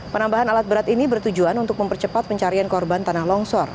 penambahan alat berat ini bertujuan untuk mempercepat pencarian korban tanah longsor